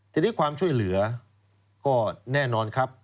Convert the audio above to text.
ทีนี้ความช่วยเหลือก็แน่นอนครับ